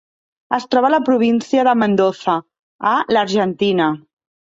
Es troba a la província de Mendoza, a l'Argentina.